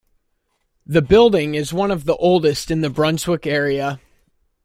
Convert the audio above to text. The building is one of the oldest in the Brunswick area.